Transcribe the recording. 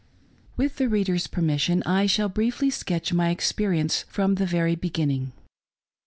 With the reader's permission I shall briefly sketch my e^cperience from the very beginning.